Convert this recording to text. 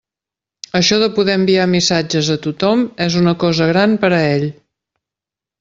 Això de poder enviar missatges a tothom és una cosa gran per a ell.